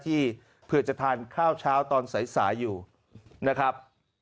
เผื่อจะทานข้าวเช้าตอนสายอยู่นะครับ